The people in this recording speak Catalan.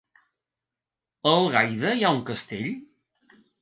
A Algaida hi ha un castell?